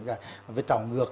rồi phải trào ngược